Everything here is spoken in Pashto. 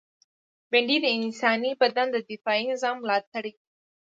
بېنډۍ د انساني بدن د دفاعي نظام ملاتړې ده